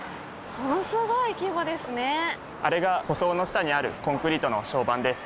あれが舗装の下にあるコンクリートの床版です。